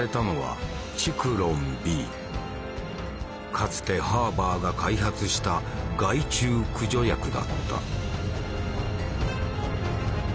かつてハーバーが開発した害虫駆除薬だった。